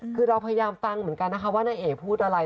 คือเราพยายามฟังเหมือนกันนะคะว่าน้าเอ๋พูดอะไร